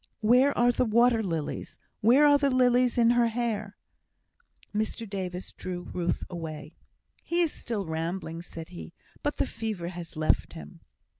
"Where are the water lilies? Where are the lilies in her hair?" Mr Davis drew Ruth away. "He is still rambling," said he, "but the fever has left him."